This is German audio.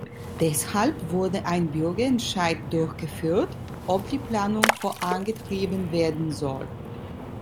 Deshalb wurde ein Bürgerentscheid durchgeführt, ob die Planung vorangetrieben werden soll.